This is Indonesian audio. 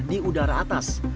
di udara atas